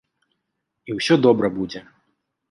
І ўсё добра будзе.